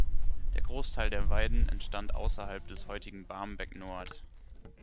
Der Großteil der Weiden entstand außerhalb des heutigen Barmbek-Nord.